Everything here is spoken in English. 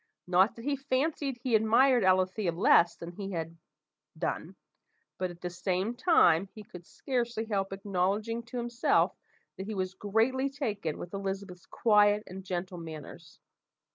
Not that he fancied he admired Alethea less than he had done; but, at the same time, he could scarcely help acknowledging to himself that he was greatly taken with Elizabeth's quiet and gentle manners.